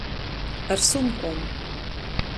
Ar sumkom.